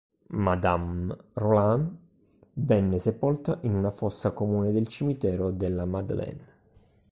Madame Roland venne sepolta in una fossa comune del Cimitero della Madeleine.